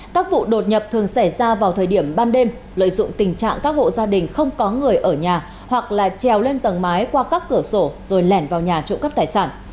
các vụ đột nhập thường xảy ra vào thời điểm ban đêm lợi dụng tình trạng các hộ gia đình không có người ở nhà hoặc là trèo lên tầng mái qua các cửa sổ rồi lẻn vào nhà trộm cắp tài sản